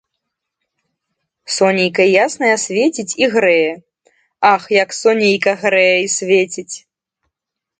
Сонейка яснае свеціць і грэе, ах, як сонейка грэе і свеціць!